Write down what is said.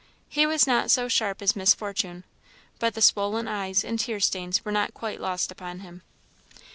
He was not so sharp as Miss Fortune, but the swollen eyes and tear stains were not quite lost upon him.